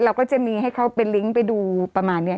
เราก็จะมีให้เขาเป็นลิงก์ไปดูประมาณนี้